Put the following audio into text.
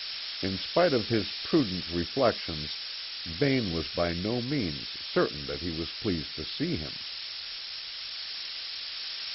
In spite of his prudent reflections, Vane was by no means certain that he was pleased to see him.